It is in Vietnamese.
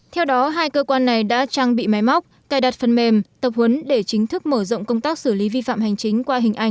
theo đó hai cơ quan này đã trang bị máy móc cài đặt phần mềm tập huấn để chính thức mở rộng công tác xử lý vi phạm hành chính qua hình ảnh